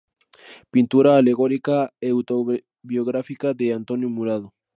Pintura alegórica e autobiográfica de Antonio Murado.